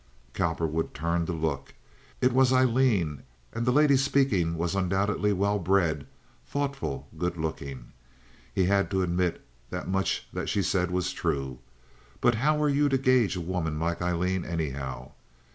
Cowperwood turned to look. It was Aileen, and the lady speaking was undoubtedly well bred, thoughtful, good looking. He had to admit that much that she said was true, but how were you to gage a woman like Aileen, anyhow?